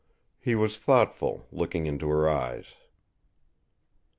He was thoughtful, looking into her eyes.